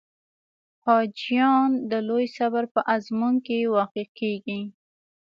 حاجیان د لوی صبر په آزمون کې واقع کېږي.